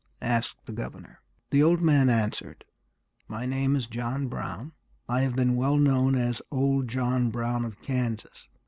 asked the governor. The old man answered, "My name is John Brown; I have been well known as old John Brown of Kansas.